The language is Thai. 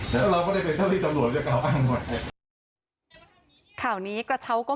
แต่ก็ไม่ถึงตัวเขาเสร็จแล้วผมก็